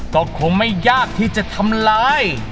ก็คงไม่ยากที่จะทำลาย